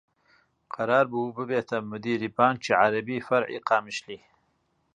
قەرار بوو ببێتە مدیری بانکی عەرەبی فەرعی قامیشلی